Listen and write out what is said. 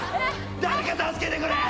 誰か助けてくれ！